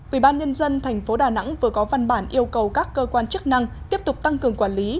ủy ban nhân dân tp đà nẵng vừa có văn bản yêu cầu các cơ quan chức năng tiếp tục tăng cường quản lý